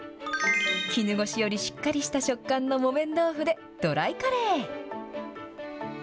絹ごしよりしっかりした食感の木綿豆腐で、ドライカレー。